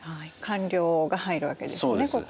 官僚が入るわけですね。